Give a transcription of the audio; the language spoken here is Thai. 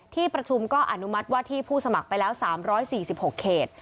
ที่ประชุมก็อนุมัติว่าที่ผู้สมัครไปแล้ว๓๔๖เขต